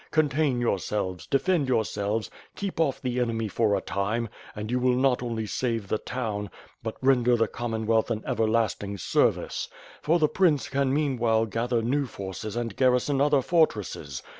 Contain yourselves, defend yourselves, keep off the enemy for a time, and you will not only save the town, but render the Commonwealth an ever lasting service. For the prince can meanwhile gather new forces and garrison other fortresses.